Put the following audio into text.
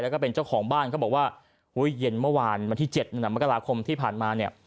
แล้วก็เป็นเจ้าของบ้านเขาบอกว่าอุ้ยเย็นเมื่อวานวันที่๗มกราคมที่ผ่านมาเนี่ย